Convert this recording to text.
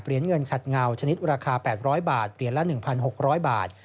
เงินขัดเงาชนิดราคา๘๐๐บาทเหรียญละ๑๖๐๐บาท